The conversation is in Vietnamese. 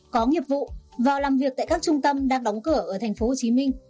có nghiệp vụ vào làm việc tại các trung tâm đang đóng cửa ở tp hcm